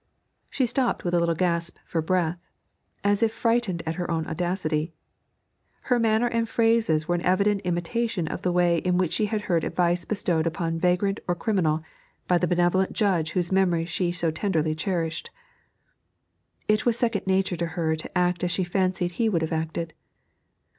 She stopped with a little gasp for breath, as if frightened at her own audacity. Her manner and phrases were an evident imitation of the way in which she had heard advice bestowed upon vagrant or criminal by the benevolent judge whose memory she so tenderly cherished. It was second nature to her to act as she fancied he would have acted.